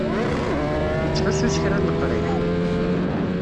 Yettḥussu s kra n leqriḥ?